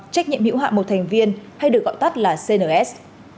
trách nhiệm hữu hạm một thành viên hay được gọi tắt là cns